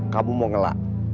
kamu mau ngelak